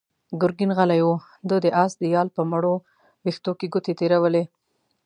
ګرګين غلی و، ده د آس د يال په مړو وېښتو کې ګوتې تېرولې.